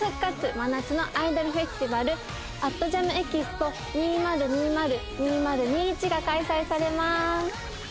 真夏のアイドルフェスティバル＠ＪＡＭＥＸＰＯ２０２０−２０２１が開催されます。